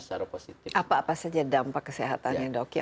apa apa saja dampak kesehatan yang dok ya